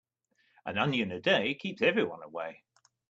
An onion a day keeps everyone away.